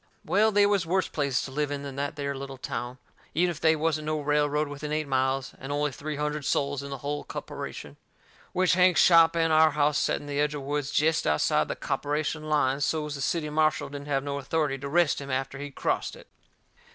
Well, they was worse places to live in than that there little town, even if they wasn't no railroad within eight miles, and only three hundred soles in the hull copperation. Which Hank's shop and our house set in the edge of the woods jest outside the copperation line, so's the city marshal didn't have no authority to arrest him after he crossed it.